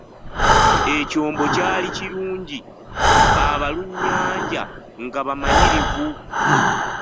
Ekyombo kyali kirungi, abalunnyanja nga bamanyirivu.